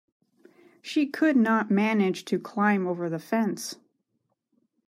She could not manage to climb over the fence.